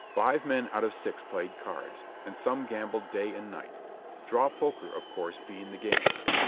Five men out of six played cards, and some gambled day and night; draw poker of course being the game.